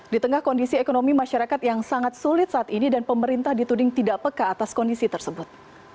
di tengah kondisi ekonomi masyarakat yang sangat sulit saat ini dan pemerintah dituding tidak peka atas kondisi tersebut